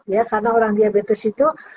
ya karena orang diabetes itu